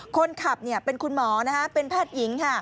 คนขับเป็นคุณหมอเป็นแพทย์หญิง